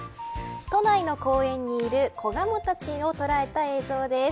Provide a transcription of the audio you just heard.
都内の公園にいる子ガモたちを捉えた映像です。